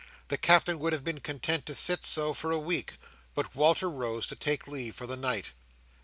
The Captain would have been content to sit so for a week. But Walter rose, to take leave for the night.